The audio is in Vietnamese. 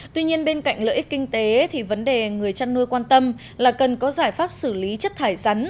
tuy nhiên bên cạnh lợi ích kinh tế thì vấn đề người chăn nuôi quan tâm là cần có giải pháp xử lý chất thải rắn